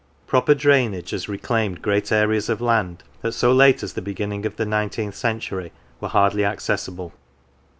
Proper drainage has reclaimed great areas of land that so late as the beginning of the nineteenth century were hardly accessible.